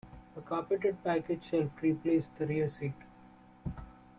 A carpeted package shelf replaced the rear seat.